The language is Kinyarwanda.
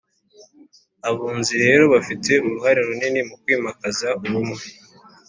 abunzi rero bafite uruhare runini mu kwimakaza ubumwe